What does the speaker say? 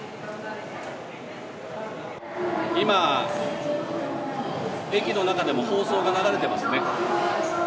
今、駅の中でも放送が流れてますね。